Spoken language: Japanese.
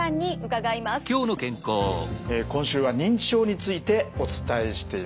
今週は認知症についてお伝えしています。